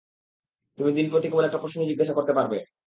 তুমি দিনপ্রতি কেবল একটা প্রশ্নই জিজ্ঞাসা করতে পারবে।